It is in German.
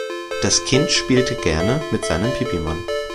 Das Kind spielte gerne mit seinem Pipimann.